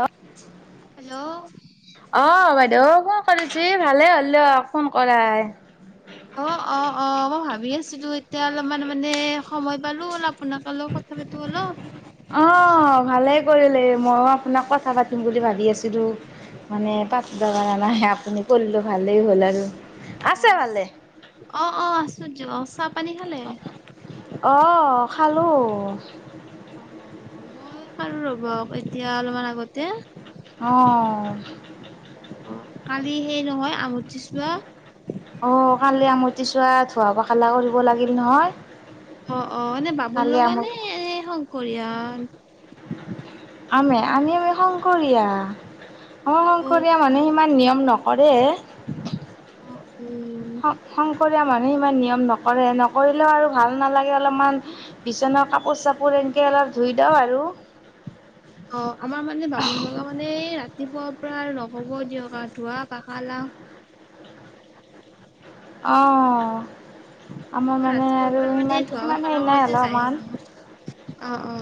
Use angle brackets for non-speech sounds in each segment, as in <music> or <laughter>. অ hello বাইদেউ কৰিছি ভালে হ'ল দিয়ক ফোন কৰাই <unintelligible> অ অ অ মই ভাবি আছিলো এতিয়া অলপমান মানে সময় পালো অলপ ফোনত অলপ কথা পাতো অলপ ভালেই কৰিলে ময়ো আপোনাক কথা পাতিম বুলি ভাবি আছিলোঁ অ মানে পাতবা নাই আপুনি কৰিলেও ভালেই হ'ল আৰু অ আছে ভালে অ অ আছু দিয়ক অ চাব অ খালো অ মই খলো ৰব এতিয়া অলপমান আগতে অ কালি সেই নহয় আঙঠিচোৱা অ কালি আমতিচোৱা ধুৱা পখিলা কৰিব লাগিল নহয় অ অ এনে বাবুল কালি লগা আমত নে এ শংকৰিয়া আমি আমি শংকৰিয়া আমাৰ শংকৰিয়া মানুহে ইমান নিয়ম নকৰে উম শং শং মানুহে ইমান নিয়ম নকৰে নকৰিলেও আৰু ভাল নালাগে অলপমান বিচনা কাপোৰ চাপোৰ তেনেকে অলপ ধুই দওঁ আৰু অ আমাৰ মানে বামুণ লগা মানে ৰাতিপুৱা পৰা আৰু নহ'ব দিয়ক আৰু ধোৱা পাখালা <unintelligible> অ আমাৰ মানে ৰাতিপুৱাৰ আৰু পৰা মানে সিমান ধোৱা সিমান পখলা হেৰি নাই কৰোতে যায় অলপমান আৰু। অ অ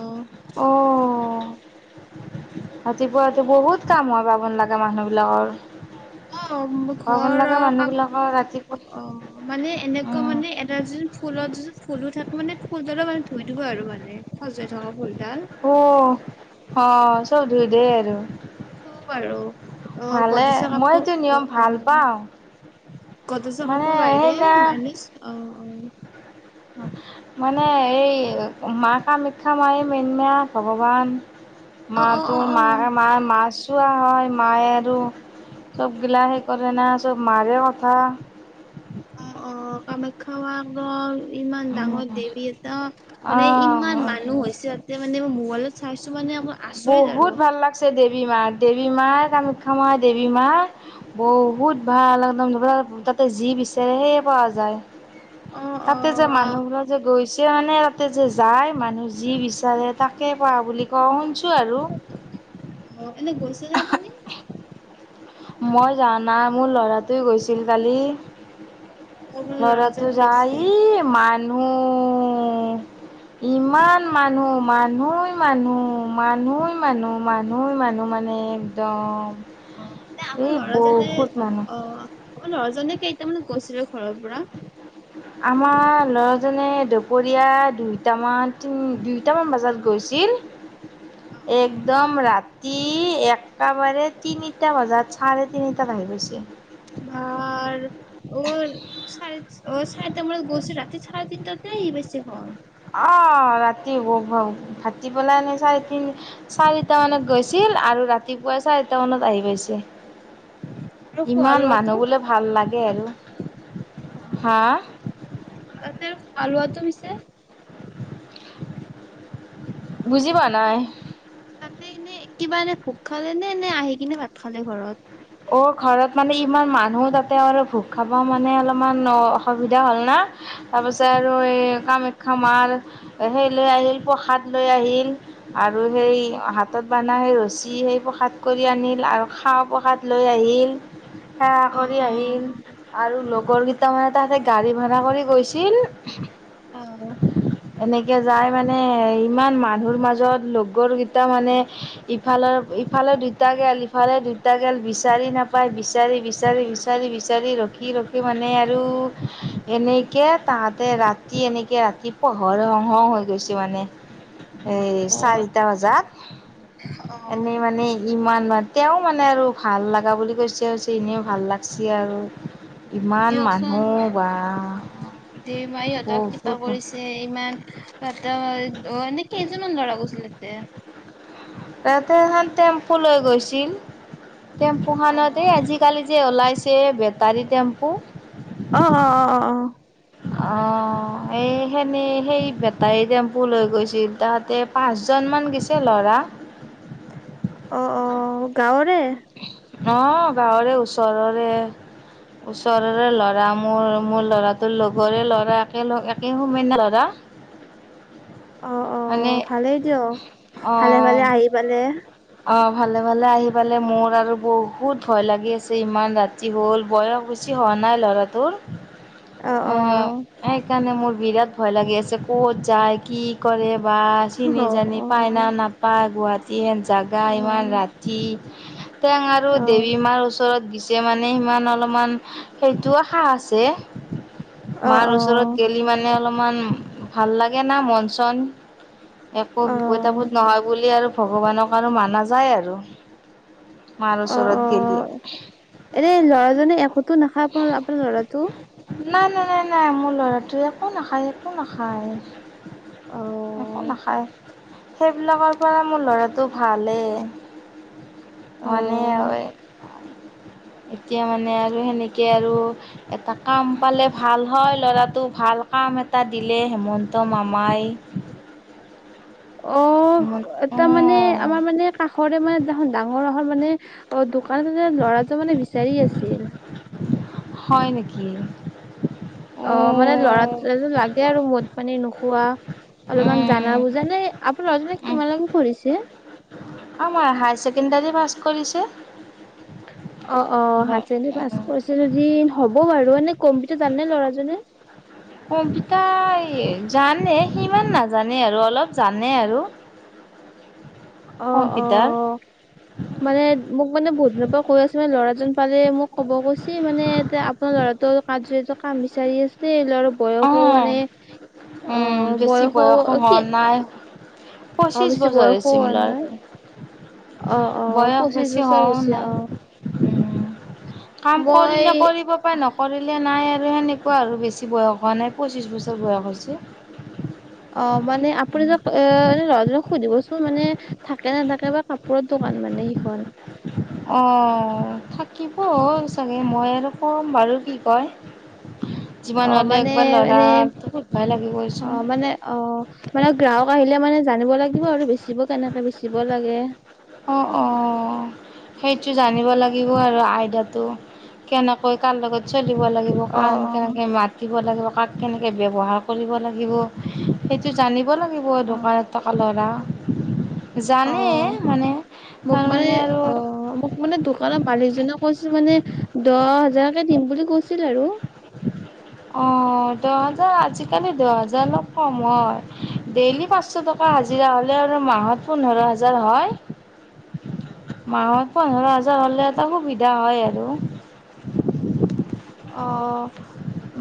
অ ৰাতিপুৱাটো বহুত কাম হয় বামুন লাগা মানুহ বিলাকৰ অ', ঘন ঘৰৰ লগা মানুহ কাপ বিলাকৰ ৰাতি অ মানে এনেকুৱা মানে এটা যে ফুলত য ফুলো থাকো মানে ফুলডলপ মানে ধুই দিব আৰু মানে সজাই থকা ফুল উ অ চব ধুই দে আৰু চ বাৰু অ ভালে গ্ৰদেজৰ মইতো কাপোৰ নিয়ম অ ভাল পাওঁ গ্ৰদেজৰ মানে কাপোৰৰ বাহিৰে সেইদিনা মানে অ মানে এই মা কামাখ্যা মাই মেইন ন ভগৱান মা অ', অ', তোৰ অ', অ'। মা অ', মাৰ মাছ চোৱা হয় মায়ে আৰু চব গিলা সেই কৰে না চব মাৰে কথা অ অ কামাখ্যা মা দল ইমান ডাঙৰ দেৱী এটা মানে অ' ইমান মানুহ হৈছে এ মানে মই মোবইলত চাইচো মানে মই আচৰিত আৰু। বহুত ভাল লাগছে দেৱী মা দেৱী মা কামাখ্যা মাৰ দেৱী মা বহুত ভাল একদম তাতে যি বিচাৰে সেয়ে পোৱা যায় অ', তাতে যে অ'। অ', মানুহবিলাক যে গৈছে তেয়া মানে তাতে যে যায় মানুহ যি বিচাৰে তাকে পা বুলি কোৱা শুনছ আৰু অ' এনে গৈছেনে আপুনি মই যোৱা নাই মোৰ ল'ৰাটোৱে গৈছিল কালি আমাৰ লৰাটো ল'ৰাজনে গৈছে যায় মানুহ <inaudible> উম ইমান মানুহ মানুহই মানুহ মানুহই মানুহ মানুহ মানুহ মানে একদম অ' এনে আমাৰ এই ল'ৰাজনে বহুত মানুহ অ ল'ৰাজনে কেইটামানত গৈছিলে ঘৰৰ পৰা আমাৰ ল'ৰাজনে দুপৰীয়া দুইটামান তিনি দুইটামান বজাত গৈছিল অ', অ'। একদম ৰাতি একটা বাৰে তিনিটা বজাত চাৰে তিনিটাত আহি আৰু পাইছে চাৰিচ ওচ চাই তে মৰে গৈছে ৰাতি চাৰে তিনিটাতে আহি পাইছো ঘৰ অ ৰাতি ভ ভ ভাটি পেলাই এনেই চাৰি তিনি চাৰিটা মানত গৈছিল আৰু ৰাতিপুৱাই চাৰিটা মানত আহি পাইছে আৰু খোৱা ইমান লোৱাটো মানুহ বোলে ভাল লাগে আৰু হা আলুৱাটো মিছে বুজি পোৱা নাই তাতে এনে কিবা এনে ভোক খালে নে নে আহি কিনে ভাত খালে ঘৰত অ' ঘৰত মানে ইমান মানুহ তাতে আৰু ভোগ খাব মানে অলপমান অসুবিধা হ'ল না তাৰপিছত আৰু এই কামাখ্যা মাৰ সেই লৈ আহিল প্ৰসাদ লৈ আহিল আৰু সেই হাতত বা সেই ৰছী সেই প্ৰসাদ কৰি আনিল আৰু খাহ প্ৰসাদ লৈ আহিল সেয়া অ', কৰি আহিল অ'। আৰু লগৰ কেইটা মানে তাতে গাড়ী ভাড়া কৰি গৈছিল অ', এনেকে যাই মানে ইমান মানুহৰ মাজত লগৰ কেইটা মানে ইফালৰ ইফালে দুটা গেল ইফালে দুটা গেল বিচাৰি নাপায় বিচাৰি বিচাৰি বিচাৰি বিচাৰি ৰখি ৰখি মানে আৰু এনেকে তাত ৰাতি এনেকে ৰাতি পোহৰ হং হং হৈ গৈছে মানে এ অ', চাৰিটা বজাত অ' এনেই মানে ইমান মান তেওঁ মানে আৰু ভাল লাগা বুলি কৈছে। হছে এনেইও ভাল লাগছি আৰু ইমান মানুহ দিয়কচোন বা দে মাই ইহঁতক কৃপা বহুত কৰিছে ইমান পাতা অ এনেই কেইজনমান ল'ৰা গৈছিল তাতে? তাতে এখন টেম্পু লৈ গৈছিল। অ টেম্পুখনতে এই আজিকালি যে ওলাইছে বেটাৰী টেম্পু। অ-অ-অ-অ-অ। অ, এই সেনেই সেই বেটাৰী টেম্পু লৈ গৈছিল তাহাতে পাঁচজন মান গিছে ল'ৰা অ, অ গাঁৱৰে। ন গাঁৱৰে ওচৰৰে ওচৰৰে ল'ৰা। মোৰ মোৰ ল'ৰাটোৰ লগৰে ল'ৰা একে। একে সমেনিয়া ল'ৰা। <inaudible> অ, অ মানে ভালেই দিয়ক। ভালে-ভালে অ' আহি পালে অ, ভালে-ভালে আহি পালে মোৰ আৰু বহুত ভয় লাগি আছে, ইমান ৰাতি হ'ল বয়স বেছি হওঁ নাই ল'ৰাটোৰ। অ, সেইকাৰণে মোৰ বিৰাট ভয় লাগি আছে। ক'ত যায়, কি কৰে বা অ চিনি- জানি অ পায় না নাপায় গুৱাহাটী হেন জাগা ইমান ৰাতি টেং আৰু অ দেৱী মাৰ ওচৰত যে মানে সিমান অলপমান সেইটো আশা আছে। মাৰ ওচৰত গেলি মানে অলপমান ভাল লাগে না মন চন। একো অ বিপদ-আপদ নহয় বুলি আৰু ভগৱানক আৰু মানা যায় আৰু। মাৰ অ অ ওচৰত গেলি এনে ল'ৰাজনে একোটো নাখায় আপোন আপোনাৰ ল'ৰাটো? নাই, নাই, নাই, নাই। মোৰ ল'ৰাটোৱে একো নাখায়, একো নাখায়। অ একো নাখায়। সেইবিলাকৰ পৰা মোৰ ল'ৰাটো ভালেই। মানে অ আৰু এ এতিয়া মানে আৰু সেনেকে আৰু এটা কাম পালে ভাল হয় ল'ৰা টো ভাল কাম এটা দিলে হেমন্ত মামাই অ এটা মানে অঁ আমাৰ মানে কাষৰে মানে এখন ডাঙৰ এখন মানে অ দো কানীটো যে ল'ৰাটো মানে বিচাৰি আছিল। হয় নেকি? অ মানে লৰা উম লাগে আৰু ম'দ পানী নোখোৱা। অলপমান জানা বুজা নে, আপোনাৰ লৰাজনে উম কিমানলৈকে পঢ়িছে? আমাৰ হায় ছেকেণ্ডাৰী পাছ কৰিছে। অ, অ। হায় ছেকেণ্ডেৰী পাছ কৰিছে য দি হ'ব বাৰু। এনে কম্পিটাৰ জানে ল'ৰাজনে? কম্পিটা জানে, সিমান নাজানে আৰু অলপ জানে আৰু। <inaudible> অ', কম্পিটাৰ। অ'। মানে মোক মানে বহুত দিনৰ পৰা কৈ আছে মানে ল'ৰাজন পালে মোক ক'ব কৈছি মানে এতে আপোনাৰ লৰাটো কা যিহেতু কাম বিচাৰি আছে লৰা বয়সো অঁ মানে অ বেছি বয়সো হোৱা কি নাই অ পঁচিছ বেছি বছৰ বয়সো হৈছে মোৰ হোৱা নাই। <inaudible> অ অ বয়স পঁচিশ বেছি বছৰ হোৱাও হৈছে নাই। অ উম। কাম মই কৰিলে কৰিব পাই, নকৰিলে নাই আৰু সেনেকুৱা আৰু বেছি বয়স হোৱা নাই। পঁচিছ বছৰ বয়স হৈছে। অ মানে আপুনি তক এ এনে ল'ৰাজনক সুধিবচোন মানে থাকে নে নাথাকে বা কাপোৰত দোকান মানে সেইখন অহ থাকি অঁ চাগে মই আৰু ক'ম বাৰু কি কয়? অ যিমান হ'লে মানে একবাৰ এনে ল'ৰাটো সুধবাই অ লাগিবচোন মানে অ মানে গ্ৰাহক আহিলে মানে জানিব লাগিব আৰু বেচিব কেনেকে বেচিব লাগে। অ অ সেইটো জানিব লাগিব আৰু আইডাটো, কেনেকৈ কাৰ লগত চলিব লাগিব অ কাৰণ কেনেকে মাত দিব লাগিব। কাক কেনেকে ব্যৱহাৰ কৰিব লাগিব। সেইটো জানিব লাগিব অ অ দোকানত থকা ল'ৰা <inaudible> জানে মানে মোক মানে তাৰমানে আৰু অ মোক মানে দোকানৰ মালিক জনে কৈছিল মানে দহ হাজাৰকে দিম বুলি কৈছিল আৰু অ', <inaudible> দহ হাজাৰ আজিকালি দহ হাজাৰ অলপ কম হয় ডেইলি পাঁচশ টকা হাজিৰা হলে আৰু মাহত পোন্ধৰ হাজাৰ হয়। <inaudible> মাহত পোন্ধৰ হাজাৰ হলে এটা সুবিধা হয় আৰু অ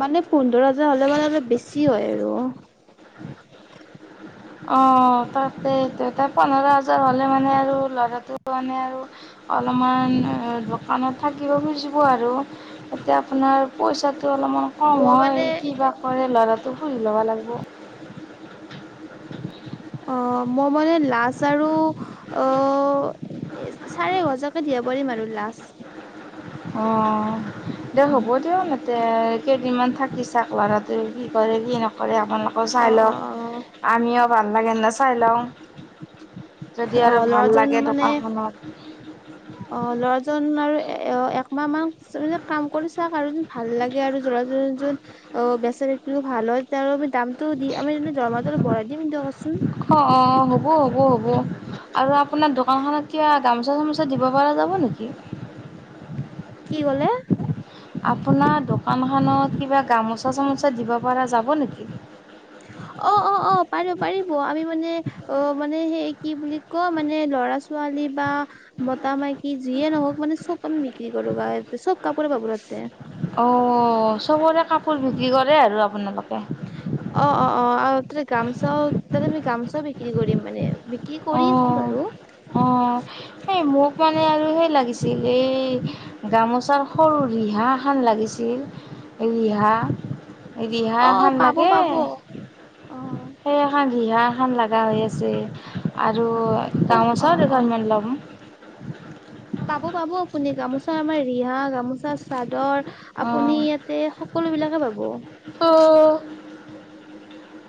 মানে পোন্ধৰ হাজাৰ হলে মানে অলপ বেছি হয় আৰু <unintelligible> অ' তাকেইতো তাই পোন্ধৰ হাজাৰ মানে মানে আৰু ল'ৰাটো মানে আৰু অলপমান দোকানত থাক থিকিব খুজিব আৰু তাতে আপোনাৰ পইচা অলপমান কম মই মানে হয়, কি বা কৰে ল'ৰাটো হুধি ল'ব লাগিব, অহ মই মানে লাজ আৰু অ চাৰে এহজাকে দিয়া পাৰিম আৰু লাষ্ট অ দে হ'ব দিয় নাতে কেইদিনমান থাকিছা ক লাৰত কি কৰে কি নকৰে আপোনালোকেও অ চাই অ লওক, আমিও ভাল লাগে নে চাই লওঁ যদি অ অ আৰু ভাল ল'ৰাজন লাগে মানে দোকানখনত জন আৰু এ একমাহ মান তুমি যে কাম কৰি চা আৰু যি ভাল লাগে আৰু জোৰা জুৰি জুত অ বেছি বেছিতো ভাল হয় তেওঁ আমি দামটো দি আমি দৰমহাটো অলপ বঢ়ই দিম দিয়কচোন, অ অ হ'ব হ'ব হ'ব আৰু আপোনাৰ দোকানখনত কিবা গামোচা চামোচা দিব পৰা যাব নেকি? কি কলে? আপোনাৰ দোকানখনত কিবা গামোচা চামোচা দিব পৰা যাব নেকি? অ অ অ পাৰিব পাৰিব আমি মানে অ মানে সেই কি বুলি ক মানে ল'ৰা ছ ছোৱালী বা মতা মাই কি যিয়ে নহওক মানে চব আমি বিক্ৰী কৰো গাইত চব কাপোৰে পাব তাতে। অ চবৰে কাপোৰ বিক্ৰী কৰে আৰু আপোনালোকে। অ অ অ আৰু তাতে গামচাও তাতে আমি গামচাও বিক্ৰী কৰিম মানে। বিক্ৰী কৰি আছো অ' বাৰু। অ' এই মোক মানে আৰু সেই লাগিছিল এই গামোচাৰ সৰু ৰিহা খন লাগিছিল। <inaudible> ৰিহা ৰিহা অ অ খন পাব লাগে? পাব অ সেইয়া হা ৰিহা ভাল লগা হৈ আছে আৰু অ অ গামোচাও অ দুখন মান লম। পাব পাব আপুনি গামোচা আমাৰ ৰিহা, গামোচা চাদৰ আপুনি অ' ইয়াতে সকলো বিলাকে পাব। অ'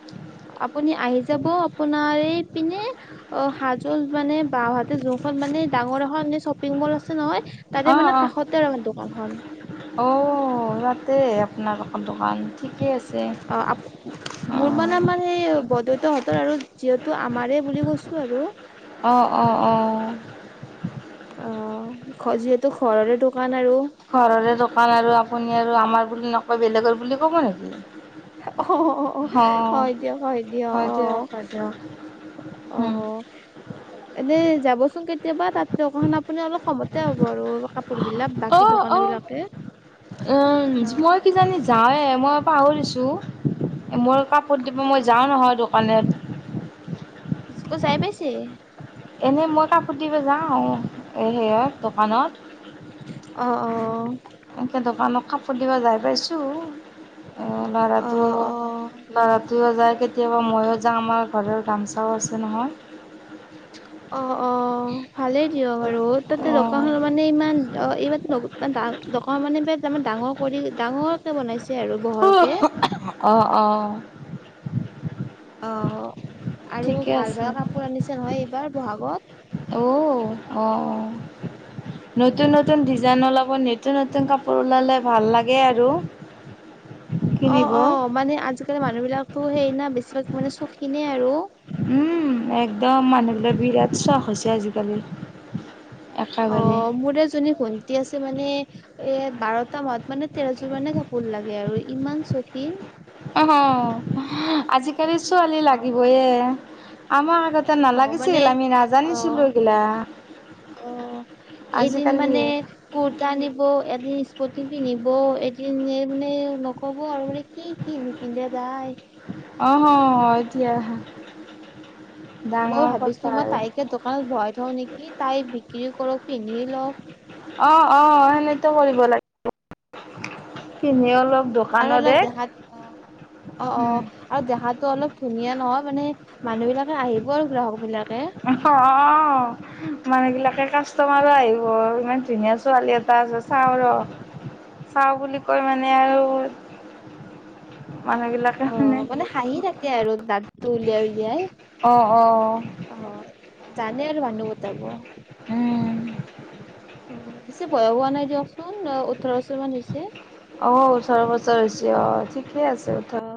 <unintelligible> আপুনি আহি যাব, আপোনাৰ এই পিনে অ হাজোন মানে বাওঁহাত যোনখন মানে ডাঙৰ এখন শ্বপিং মল আছে নহয়, তাতে অ' মানে অ' কাষতে আৰু মানে দোকানখন। অ তাতে আপোনাৰ এখন দোকান। ঠিকে আছে। অ আ মোৰ মানে অ', মানে এই বৰ্দুচ তহঁতৰ আৰু যিহেতু আমাৰে বুলি কৈছো আৰু অঁ অঁ অ অ যিহেতু ঘৰৰে দোকান। আৰু ঘৰৰে দোকান আৰু আপুনি আৰু আমাৰ বুলি নকয় বেলেগৰ বুলি কব নেকি, অ অ অহ অ', হয় দিয়ক হয় দিয়ক অ অ উম, এনেই যাবচোন কেট কেতিয়াবা তাত দোকান আপুনি অলপ কমতে হ'ব আৰু কাপোৰ বিলাক বাকী অ', দোকান অ'। বিলাকে। উম অ মই কিজানি যাওঁৱে মই পাহৰিছো মোৰ কাপ কত দিব মই যাওঁ নহয় দোকানত অ জাই পাইছে? এনেই মই কাপোৰ দিব যাওঁ এ সেইয়া দোকানত। অ অ এনেকে দোকানক কাপোৰ দিব যাই পাইছো। উম অ ল'ৰাটো অ ল'ৰাটোৱও যায় কেতিয়াবা ময়ো যাওঁ আমাৰ ঘৰৰ ৰামচাও আছে নহয়। অঁ ভালে দিয়া বাৰু তাতে দোকান অ'। মানে ইমান খি দাম দোকানৰ ডাঙৰ কৰি ডাঙৰকে বনাইছে আৰু বহলকে। অঁ অঁ। অঁ আৰু ঠিকে ভাল ভাল আছে। কাপোৰ আনিছে নহয় এইবাৰ বহাগত। ঔ অঁ। নতুন নতুন ডিজাইন ওলাব নতুন নতুন কাপোৰ ওলালে ভাল লাগে আৰু। <inaudible> অ কিনিব। অ মানে আজিকালি মানুহ বিলাকতো সেই না বেছিভাগ মানে চৌকিনে আৰু। উম একদম মানুহবিলাক‌ বিৰাট চখ হৈছে আজিকালি। অ একেবাৰে। মোৰ এজনী ভ ণ্টি আছে মানে এ বাৰটা মাহত মানে তেৰযোৰ মানে কাপোৰ লাগে আৰু ইমান চৌকিন। আহঁ আজিকালি ছোৱালী অ লাগিবয়ে, আমাক আগতে অ মানে নালাগিছিল আমি অ নাজানিছিলো এইগিলা। অ এদিন আজিকালি মানে কুৰ্তা নিব এদিন স্প টিনটো নিব এদিন মানে নকব আৰু মানে কি কি নিপিন্ধে তাই। আহঁ এতিয়া মই ভাবিছোঁ মই তাইকে দোকানত ভৰাই থওঁ নেকি তাই বিক্ৰীও কৰক পিন্ধিও লক। অ অ সেনেতো কৰিব লাগিব। কিনিও ল'ক আৰু দোকানতে। অলপ দেখাত অ অ আৰু দেহাতো অলপ ধুনীয়া নহয় মানে মানুহ বিলাকে আহিব আৰু গ্ৰাহক বিলাকে। অ মানুহ বিলাকে কাষ্টমাৰো আহিব ইমান ধুনীয়া ছো ছোৱালী এটা আছে চাওঁ ৰ চাওঁ বুলি কয় মানে আৰু অ মানে হাঁহি থাকে আৰু দাঁতটো উলিয়াই উলিয়াই, অঁ অঁ। অ'। জানে আৰু মানুহ পতাব। উম। অ বেছি বয়স হোৱা নাই দিয়কচোন ওঠৰ বছৰ মান হৈছে। অ ওঠৰ বছৰ হৈছে অ ঠিকে আছে ওঠৰ। অ'।